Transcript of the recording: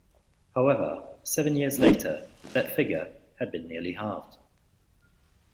However, seven years later that figure had been nearly halved.